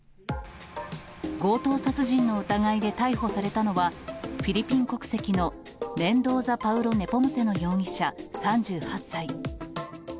強盗殺人の疑いで逮捕されたのは、フィリピン国籍のメンドーザ・パウロ・ネポムセノ容疑者３８歳。